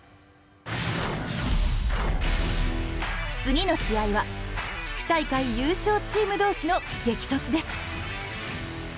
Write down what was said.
次の試合は地区大会優勝チーム同士の激突です。